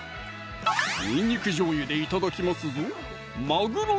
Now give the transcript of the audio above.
にんにくじょうゆで頂きますぞ